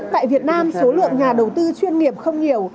tại việt nam số lượng nhà đầu tư chuyên nghiệp không nhiều